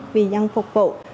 vì nhân phục vụ